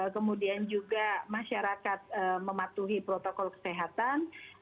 kemudian juga masyarakat mematuhi protokol kesehatan